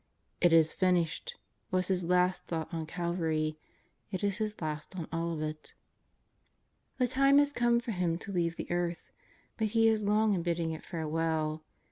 " It is finished," was His last thought on Calvary; it is His last on Olivet. The time is come for Him to leave the earth, but He is long in bidding it farewell.